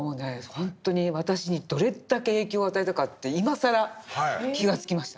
ほんとに私にどれだけ影響を与えたかって今更気がつきました。